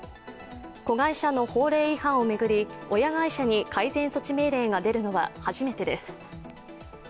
子会社の法令違反を巡り親会社に改善措置命令が出るのは初めてです。